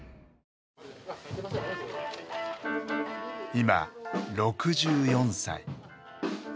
今６４歳。